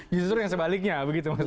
justru yang sebaliknya begitu mas